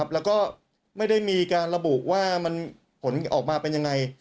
แล้วก็ไม่ได้มีการระบุว่าผลออกมาเป็นยังไง